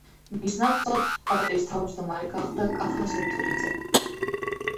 მის ნაცვლად პარტიის თავმჯდომარე გახდა კახა სეთურიძე.